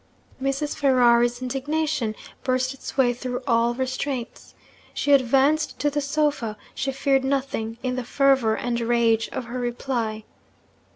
Mrs. Ferrari's indignation burst its way through all restraints. She advanced to the sofa; she feared nothing, in the fervour and rage of her reply.